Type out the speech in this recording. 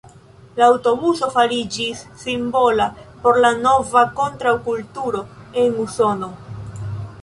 La aŭtobuso fariĝis simbola por la nova kontraŭkulturo en Usono.